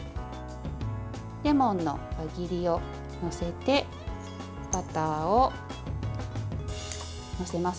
レモンの輪切りを載せてバターを載せます。